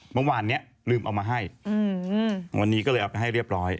เมื่อวานนี้ลืมเอามาให้วันนี้ก็เลยเอาไปให้เรียบร้อย